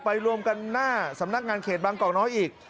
รวมกันหน้าสำนักงานเขตบางกอกน้อยอีก